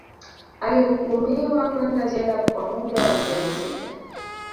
Alihukumiwa kwenda jela kwa muda wa miezi sita